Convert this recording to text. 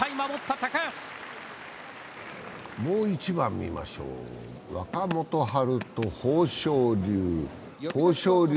もう一番見ましょう、若元春と豊昇龍。